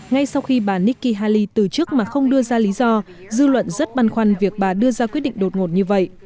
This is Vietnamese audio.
ngay sau khi bà nikki haley từ chức mà không đưa ra lý do dư luận rất băn khoăn việc bà đưa ra quyết định đột ngột như vậy